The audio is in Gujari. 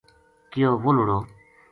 کہیو وہ لُڑو